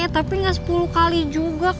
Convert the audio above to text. tapi gak sepuluh kali juga kakek